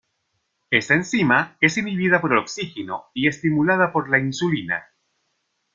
Esta enzima es inhibida por el oxígeno y estimulada por la insulina.